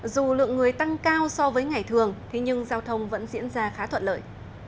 dù lượng người tăng cao so với ngày thường nhưng giao thông vẫn diễn ra khá thuận lợi